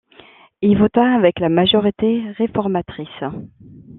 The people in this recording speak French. Il vota avec la majorité réformatrice.